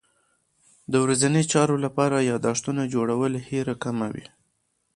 د ورځني چارو لپاره یادښتونه جوړول هېره کمه وي.